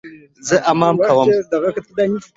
زه حمام کوم